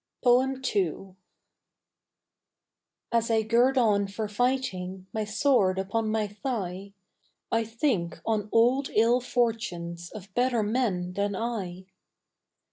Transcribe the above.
II. As I gird on for fighting My sword upon my thigh, I think on old ill fortunes Of better men than I.